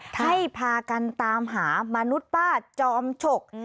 ให้พากันตามหามนุษย์ป้าจอมฉก